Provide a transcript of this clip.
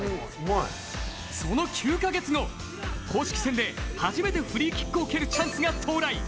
その９カ月後、公式戦で初めてフリーキックを蹴るチャンスが到来。